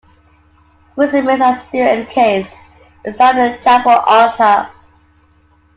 His remains are still encased beside the chapel altar.